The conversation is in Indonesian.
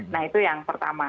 nah itu yang pertama